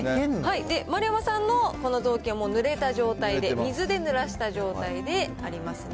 丸山さんのこのぞうきんはもうぬれた状態で、水でぬらした状態でありますね。